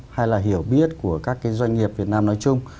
hay hiểu biết của các doanh nghiệp việt nam nói chung